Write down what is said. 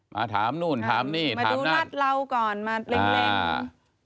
มาถามนู่นถามนี่มาดูรัดเราก่อนมาเล็งอ่า